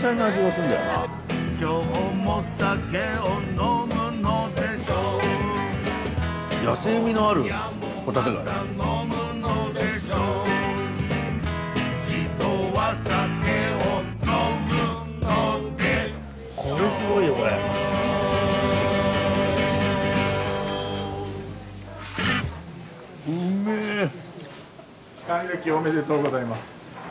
還暦おめでとうございます。